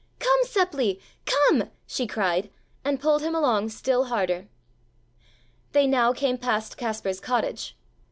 "Come, Seppli, come," she cried, and pulled him along still harder. They now came past Kaspar's cottage.